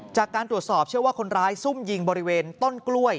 จากการตรวจสอบเชื่อว่าคนร้ายซุ่มยิงบริเวณต้นกล้วย